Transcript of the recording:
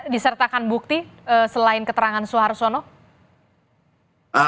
disertakan bukti selain keterangan soeharsono